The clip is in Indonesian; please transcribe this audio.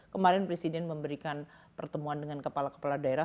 kemarin presiden memberikan pertemuan dengan kepala kepala daerah